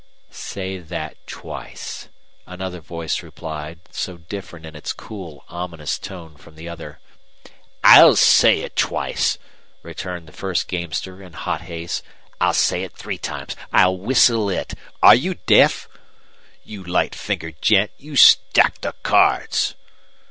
"Say that twice," another voice replied, so different in its cool, ominous tone from the other. "I'll say it twice," returned the first gamester, in hot haste. "I'll say it three times. I'll whistle it. Are you deaf? You light fingered gent! You stacked the cards!"